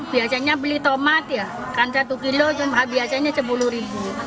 biasanya beli tomat ya kan satu kilo cuma biasanya sepuluh ribu